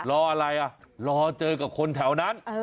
รออะไรอ่ะรอเจอกับคนแถวนั้น